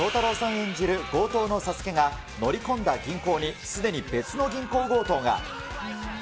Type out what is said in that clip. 演じる強盗のサスケが、乗り込んだ銀行に、すでに別の銀行強盗が。